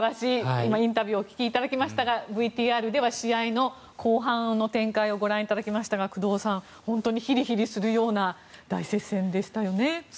今、インタビューをお聞きいただきましたがＶＴＲでは試合の後半の展開をご覧いただきましたが工藤さん本当にヒリヒリするような大接戦でしたよね。